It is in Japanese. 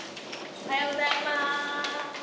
おはようございます。